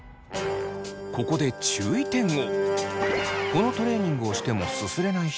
ここで注意点を！